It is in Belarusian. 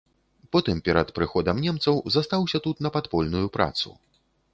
Потым перад прыходам немцаў застаўся тут на падпольную працу.